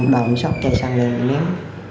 đóng xóc chạy xăng lên ném